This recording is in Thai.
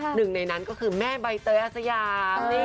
หนึ่งในนั้นก็คือแม่ใบเตยอาสยาม